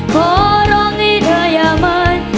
ขอร้องให้เธออย่ามา